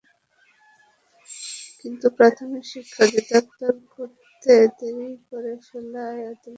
কিন্তু প্রাথমিক শিক্ষা অধিদপ্তর করতে দেরি করে ফেলায় আদালত সেটি গ্রহণ করেননি।